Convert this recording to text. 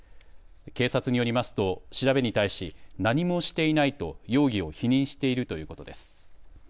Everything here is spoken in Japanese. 警察によりますと調べに対し何もしていないと、容疑を否認しているということです。